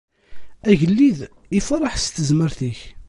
Agellid iferreḥ s tezmert-ik!